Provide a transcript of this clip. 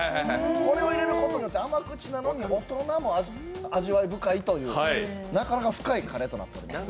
これを入れることによって甘口なのに大人も味わい深いというなかなか深いカレーとなっております。